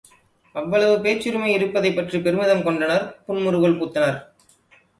அவ்வளவு பேச்சுரிமை இருப்பதைப் பற்றிப் பெருமிதம் கொண்டனர் புன்முறுவல் பூத்தனர்.